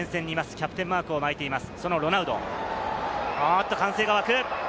キャプテンマークを巻いています。